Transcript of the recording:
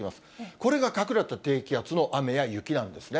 これが隠れた低気圧の雨や雪なんですね。